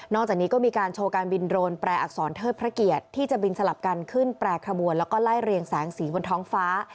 จากนี้ก็มีการโชว์การบินโรนแปรอักษรเทิดพระเกียรติที่จะบินสลับกันขึ้นแปรขบวนแล้วก็ไล่เรียงแสงสีบนท้องฟ้า